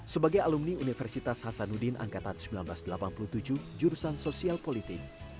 sebagai alumni universitas hasanuddin angkatan seribu sembilan ratus delapan puluh tujuh jurusan sosial politik